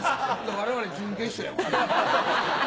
我々準決勝や。